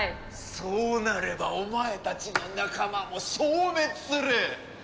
そうなればお前たちの仲間も消滅する！